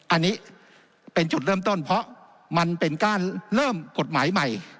อันนี้เป็นจุดเริ่มต้นเพราะมันเป็นการเริ่มกฎหมายใหม่